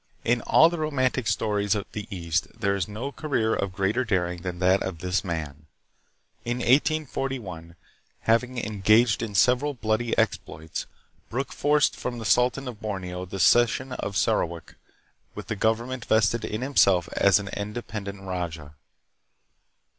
In all the romantic stories of the East there is no career of greater daring than that of this man. In 1841, having engaged in several bloody exploits, Brooke forced from the sultan of Borneo the cession of Sarawak, with the government vested in himself as an independent raja.